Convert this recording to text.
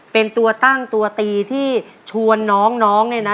เป็นตัวตั้งตัวตีที่ชวนน้องเนี่ยนะ